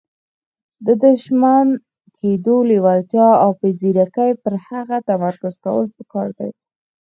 د شتمن کېدو لېوالتیا او په ځيرکۍ پر هغې تمرکز کول پکار دي.